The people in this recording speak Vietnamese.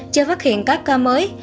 chưa phát hiện các ca mới